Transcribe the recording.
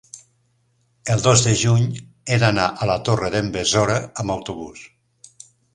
El dos de juny he d'anar a la Torre d'en Besora amb autobús.